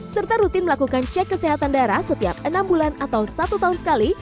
serta rutin melakukan cek kesehatan darah setiap enam bulan atau satu tahun sekali